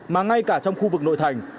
mà ngay cả trong khu vực nội thành